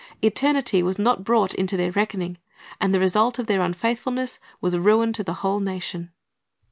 Eternity was not brought into their reckoning, and the result of their unfaithfulness W'as ruin to the w^hole nation.